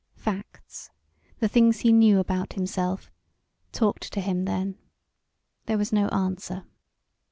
Facts, the things he knew about himself, talked to him then. There was no answer.